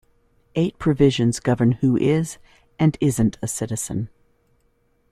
Eight provisions govern who is and isn't a citizen.